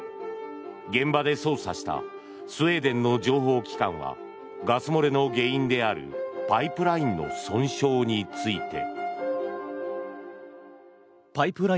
現場で捜査したスウェーデンの情報機関はガス漏れの原因であるパイプラインの損傷について。